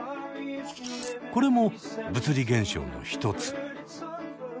これも物理現象の一つ。